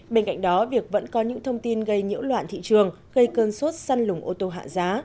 bên cạnh đó việc vẫn có những thông tin gây nhiễu loạn thị trường gây cơn sốt săn lùng ô tô hạ giá